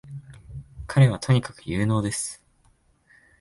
彼はとにかく有能です